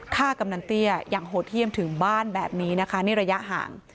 กำนันเตี้ยอย่างโหดเยี่ยมถึงบ้านแบบนี้นะคะนี่ระยะห่าง